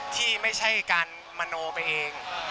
ที่ไม่ใช่การมโนไปเอง